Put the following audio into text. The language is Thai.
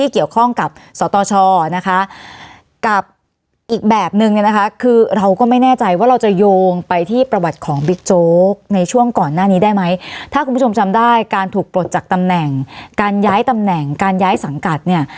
ก่อนหน้านี้ได้ไหมถ้าคุณผู้ชมชำได้การถูกปลดจากตำแหน่งการย้ายตำแหน่งการย้ายสังกัดเนี่ย